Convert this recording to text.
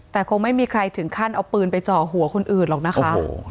แต่คงไม่มีใครถึงขั้นเอาปืนไปเจาะหัวคนอื่นหรอกนะคะ